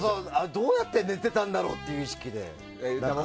どうやって寝てたんだろうっていう意識で。